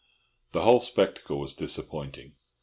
The whole spectacle was disappointing.